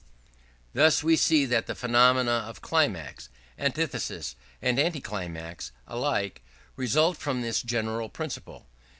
Thus we see that the phenomena of Climax, Antithesis, and Anticlimax, alike result from this general principle.